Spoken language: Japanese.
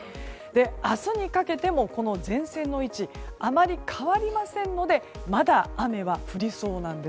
明日にかけても前線の位置あまり変わりませんのでまだ雨は降りそうです。